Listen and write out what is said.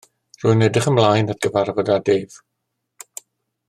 Rwy'n edrych ymlaen at gyfarfod â Dave.